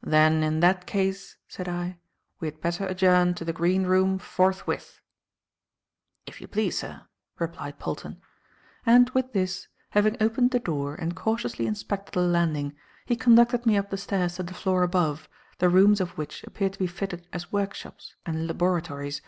"Then in that case," said I, "we had better adjourn to the green room forthwith." "If you please, sir," replied Polton; and with this, having opened the door and cautiously inspected the landing, he conducted me up the stairs to the floor above, the rooms of which appeared to be fitted as workshops and laboratories.